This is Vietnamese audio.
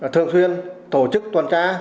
thường xuyên tổ chức tuần tra